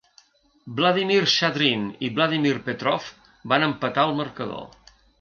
Vladimir Shadrin i Vladimir Petrov van empatar el marcador.